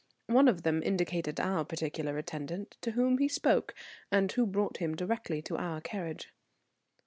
One of them indicated our particular attendant, to whom he spoke, and who brought him directly to our carriage.